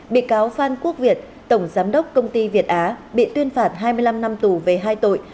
bị cáo phan quốc việt tổng giám đốc công ty việt á bị tuyên phạt hai mươi năm năm tù về hai tội